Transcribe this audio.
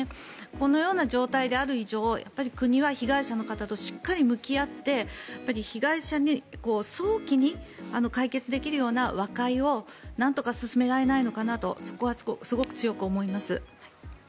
このような状態である以上国は被害者の方としっかり向き合って被害者と早期に解決できるような和解をなんとか進められないのかなと強く思います。